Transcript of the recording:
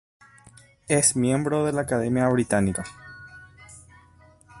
Es miembro de la Academia Británica.